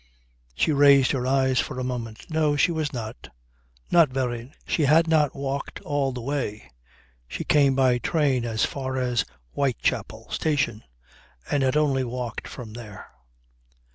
She raised her eyes for a moment. No, she was not. Not very. She had not walked all the way. She came by train as far as Whitechapel Station and had only walked from there.